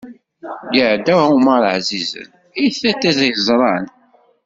Iɛedda Ɛumer ɛzizen, i tiṭ i t-iẓran.